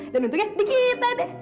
dan untungnya di kita deh